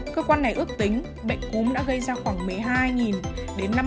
cơ quan này ước tính bệnh cúm đã gây ra khoảng năm mươi bệnh